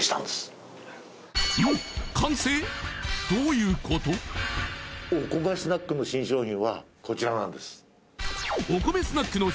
どういうこと？はこちらなんです